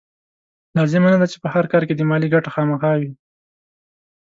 لازمه نه ده چې په هر کار کې دې مالي ګټه خامخا وي.